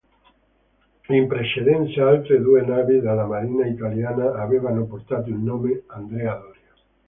In precedenza altre due navi della Marina italiana avevano portato il nome Andrea Doria.